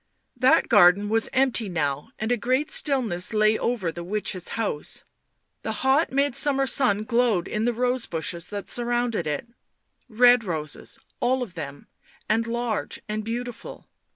That garden was empty now and a great stillness lay over the witch's house; the hot midsummer sun glowed in the rose bushes that surrounded it; red roses all of them, and large and beautiful.